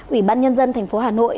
ủy ban nhân dân tp hà nội